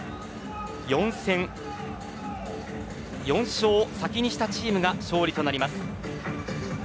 ４勝先にしたほうが勝利となります。